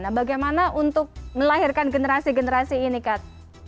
nah bagaimana untuk melahirkan generasi generasi ini kat